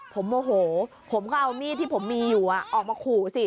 ผมโมโหผมก็เอามีดที่ผมมีอยู่ออกมาขู่สิ